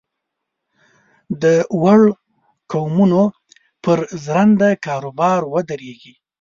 د وړو قومونو پر ژرنده کاروبار ودرېږي.